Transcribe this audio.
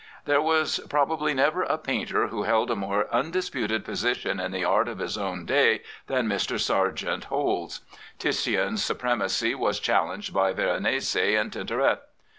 There was probably never a painter who held a more undisputed position in the art of his own day than Mr. Sargent holds. Titian's supremacy was challenged by Veronese and Tintoret.